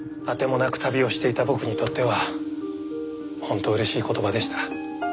当てもなく旅をしていた僕にとっては本当嬉しい言葉でした。